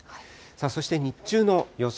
そして日中の予想